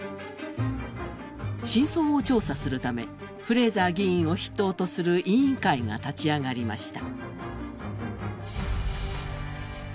真相を調査するため、フレーザー議員を筆頭とする委員会が立ち上がりました。